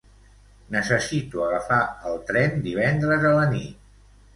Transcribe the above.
Necessito agafar el tren divendres a la nit.